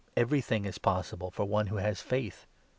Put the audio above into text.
"Everything is 23 possible for one who has faith."